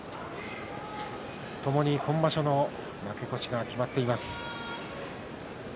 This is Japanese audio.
ともに今場所の負け越しが決まっています。